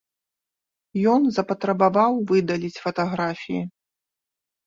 Ён запатрабаваў выдаліць фатаграфіі.